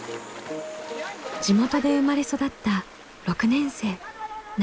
地元で生まれ育った６年生。